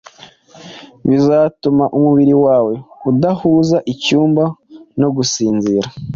bizatuma umubiri wawe udahuza icyumba no gusinzira,